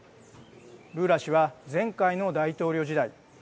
ルーラ氏は前回の大統領時代